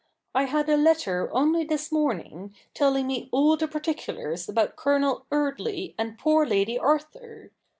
I had a letter only this morning, telling me all the particulars about Colonel Eardly and poor Lady Arthur.